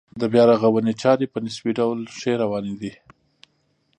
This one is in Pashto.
د بیا رغونې چارې په نسبي ډول ښې روانې دي.